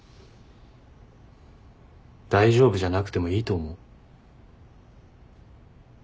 大丈夫じゃなくてもいいと思う。